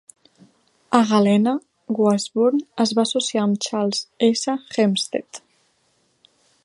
A Galena, Wasburne es va associar amb Charles S. Hempstead.